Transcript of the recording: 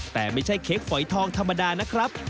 แต่ไม่ใช่เค้กฝอยทองธรรมดานะครับ